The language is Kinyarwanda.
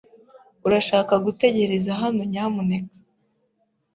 Urashaka gutegereza hano, nyamuneka?